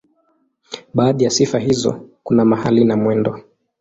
Baadhi ya sifa hizo kuna mahali na mwendo.